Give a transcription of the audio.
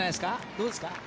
どうですか？